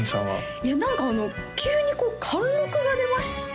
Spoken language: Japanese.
いや何か急に貫禄が出ました？